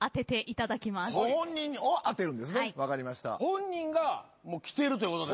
本人が来てるということですから。